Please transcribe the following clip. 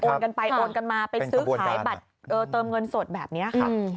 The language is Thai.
กันไปโอนกันมาไปซื้อขายบัตรเติมเงินสดแบบนี้ค่ะ